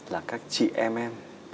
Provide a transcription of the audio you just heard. là các chị em em